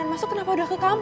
yang title tidak untuk keruma